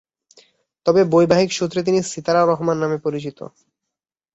তবে বৈবাহিক সূত্রে তিনি সিতারা রহমান নামে পরিচিত।